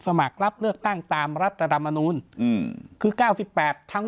สมัครรับเลือกตั้งตามรัฐธรรมนูลอืมคือเก้าสิบแปดทั้ง